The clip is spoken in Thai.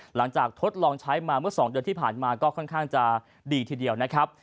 ทดลองใช้มาเมื่อ๒เดือนที่ผ่านมาก็ค่อนข้างจะดีทีเดียวนะครับ